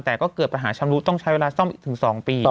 แต่ก็เกิดปัญหาชำรุต้องใช้เวลาซ่อมอีกถึง๒ปี